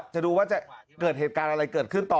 จะดูว่าจะเกิดเหตุการณ์อะไรเกิดขึ้นต่อ